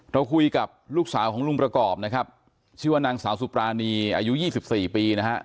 เราคุยกับลูกสาวของลุงประกอบนะครับชื่อว่านางสาวสุปรานีอายุ๒๔ปีนะฮะ